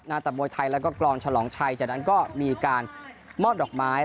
ตะมวยไทยแล้วก็กรองฉลองชัยจากนั้นก็มีการมอบดอกไม้